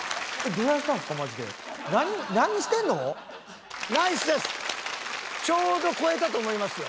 マジでちょうど超えたと思いますよ。